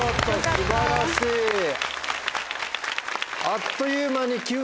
あっという間に。